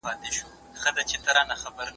هغه طهر چي جماع پکي سوې وي څه حکم لري؟